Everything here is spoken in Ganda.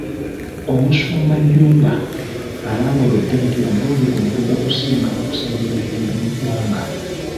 Omusumba Jjumba alambuludde nti omulundi guno bajja kusinga okusabira emirembe mu ggwanga.